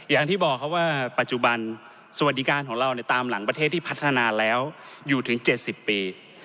อย่างที่บอกครับว่าปัจจุบันสวัสดิการของเราตามหลังประเทศที่พัฒนาแล้วอยู่ถึง๗๐ปี